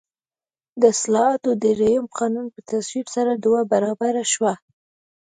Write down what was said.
د اصلاحاتو درېیم قانون په تصویب سره دوه برابره شو.